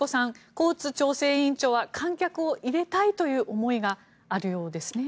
コーツ調整委員長は観客を入れたいという思いがあるようですね。